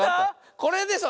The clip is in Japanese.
これでしょ！